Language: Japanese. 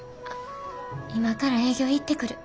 今から営業行ってくる。